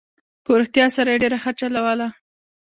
په رښتیا سره یې ډېره ښه چلوله.